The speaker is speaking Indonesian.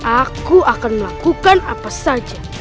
aku akan melakukan apa saja